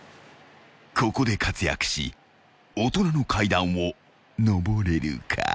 ［ここで活躍し大人の階段を上れるか？］